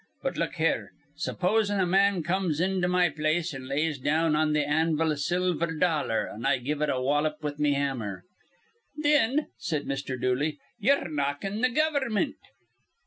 But look here. Supposin' a man comes into my place an' lays down on th' anvil a silver dollar, an' I give it a wallop with me hammer" "Thin," said Mr. Dooley, "ye're knockin' th' gover'mint."